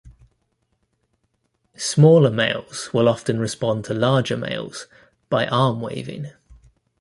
Smaller males will often respond to larger males by arm waving.